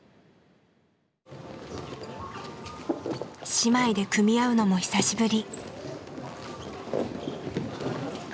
姉妹で組み合うのも久しぶり。